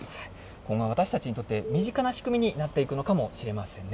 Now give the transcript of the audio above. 今後は私たちにとって身近な仕組みになっていくのかもしれませんね。